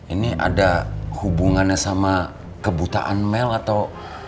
ini ada hubungannya sama kebutaan mel atau